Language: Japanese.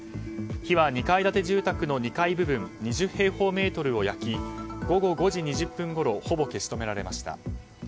火は２階建て住宅の２階部分２０平方メートルを焼き午後５時２０分ごろほぼ消し止められました。